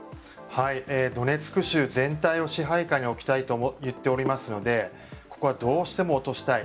ドネツク州全体を支配下に置きたいと言っておりますのでここはどうしても落としたい。